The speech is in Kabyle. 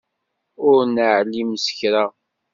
Ur neεlim s kra.